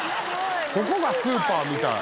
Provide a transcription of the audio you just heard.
ここがスーパーみたい。